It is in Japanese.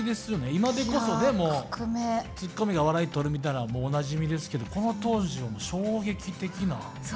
今でこそねもうツッコミが笑いとるみたいなのおなじみですけどもこの当時はもう衝撃的な。